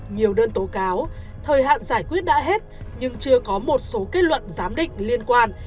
nhiều đơn tố cáo thời hạn giải quyết đã hết nhưng chưa có một số kết luận giám định liên quan